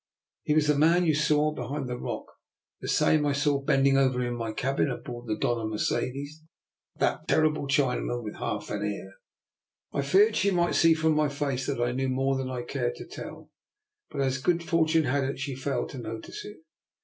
"" He was the man you saw behind the rock, the same I saw bending over me in my cabin on board the Dofia Mercedes, that ter rible Chinaman with half an ear." 296 DR. NIKOLA'S EXPERIMENT. I feared that she might see from my face that I knew more than I cared to tell; but, as good fortune had it, she failed to notice it.